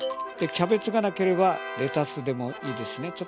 キャベツがなければレタスでもいいですね。